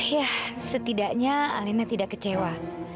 ya setidaknya alina tidak kecewa